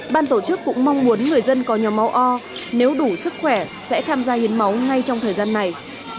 ban tổ chức cũng mong muốn người dân có nhóm máu o nếu đủ sức khỏe sẽ tham gia hiến máu ngay trong thời gian này